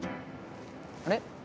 あれ？